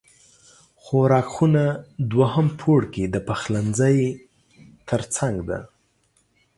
خوراک خونه دوهم پوړ کې د پخلنځی تر څنګ ده